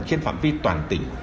trên phạm vi toàn tỉnh